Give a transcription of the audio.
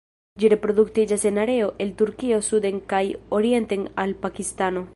Ĝi reproduktiĝas en areo el Turkio suden kaj orienten al Pakistano.